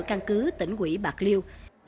căn cứ tỉnh quỹ bạc liêu